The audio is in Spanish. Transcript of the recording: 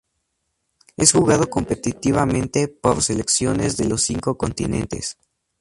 Es jugado competitivamente por selecciones de los cinco continentes.